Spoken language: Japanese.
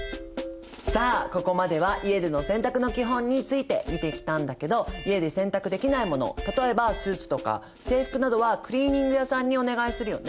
さあここまでは家での洗濯の基本について見てきたんだけど家で洗濯できないもの例えばスーツとか制服などはクリーニング屋さんにお願いするよね。